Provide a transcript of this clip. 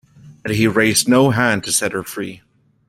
And he raised no hand to set her free.